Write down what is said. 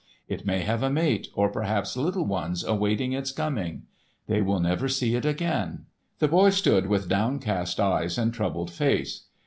It may have a mate, or perhaps little ones awaiting its coming. They will never see it again." The boy stood with downcast eyes and troubled face.